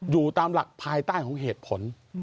อยู่ตามหลักภายใต้ของเหตุผล